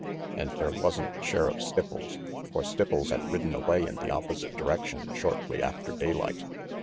And there wasn't Sheriff Stipples, for Stipples had ridden away in the opposite direction shortly after daylight.